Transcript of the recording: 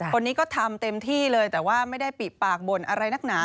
คนนี้ก็ทำเต็มที่เลยแต่ว่าไม่ได้ปิปากบ่นอะไรนักหนา